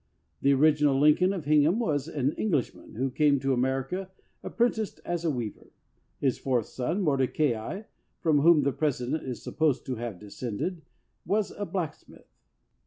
The original Lincoln of Hingham was an Englishman who came to America apprenticed as a weaver. His fourth son, Mordecai, from whom the President is supposed to have descended, was a blacksmith.